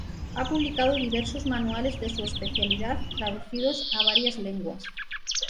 Ha publicado diversos manuales de su especialidad, traducidos a varias lenguas.